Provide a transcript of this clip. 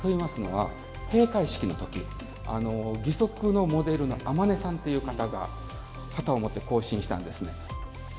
閉会式の時、義足のモデルの海音さんという方が旗をもって行進したんですね。